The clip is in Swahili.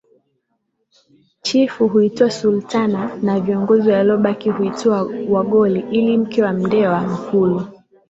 Chifu huitwa Sultana na wa viongozi waliobaki huitwa Wagoli ila mke wa Mndewa Mkulu